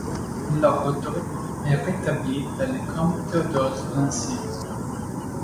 L'ordre est rétabli par le comte Théodose l'Ancien.